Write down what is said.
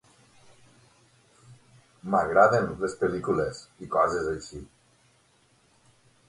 M'agraden les pel·lícules i coses així.